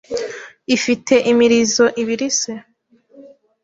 ifite imirizo ibiri se,